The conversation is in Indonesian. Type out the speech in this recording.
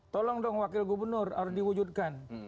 tolong dong wakil gubernur harus diwujudkan